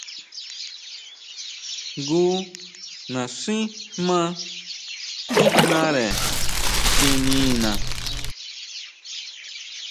Jngu naxín jmá tíjnare tsinina.